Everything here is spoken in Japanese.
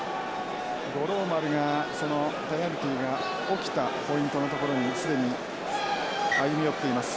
五郎丸がペナルティーが起きたポイントの所にすでに歩み寄っています。